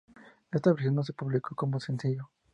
Esta versión no se publicó como sencillo.